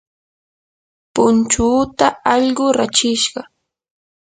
punchuuta allqu rachishqa.